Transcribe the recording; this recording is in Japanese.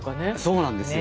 そうなんですよ。